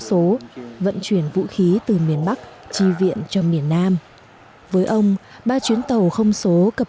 số vận chuyển vũ khí từ miền bắc chi viện cho miền nam với ông ba chuyến tàu không số cập